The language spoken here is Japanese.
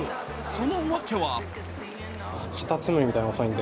その訳は？